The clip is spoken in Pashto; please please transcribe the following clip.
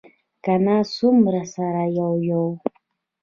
ګڼه څومره سره یو یو.